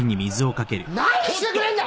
何してくれんだ！